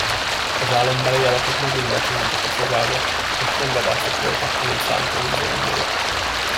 Az álombeli alakok megint besuhantak a szobába; most nem vadászok voltak, hanem szánkóhúzó angyalok.